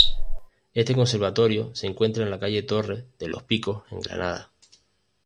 Este conservatorio se encuentra en la calle Torre de los Picos, en Granada.